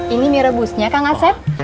ini mie rebusnya kang asep